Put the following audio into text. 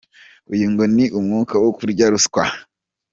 Uyu ngo ni umwuka wo kurya ruswa.